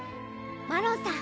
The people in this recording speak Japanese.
マロンさん